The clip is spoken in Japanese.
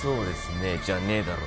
じゃねえだろ